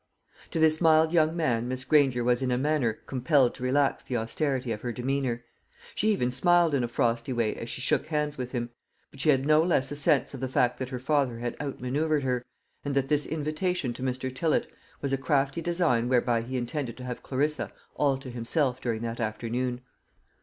To this mild young man Miss Granger was in a manner compelled to relax the austerity of her demeanour. She even smiled in a frosty way as she shook hands with him; but she had no less a sense of the fact that her father had out manoeuvred her, and that this invitation to Mr. Tillott was a crafty design whereby he intended to have Clarissa all to himself during that afternoon.